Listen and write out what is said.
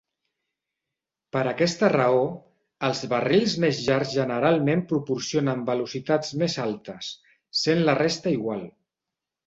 Per aquesta raó, els barrils més llargs generalment proporcionen velocitats més altes, sent la resta igual.